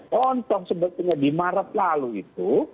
contoh sebetulnya di maret lalu itu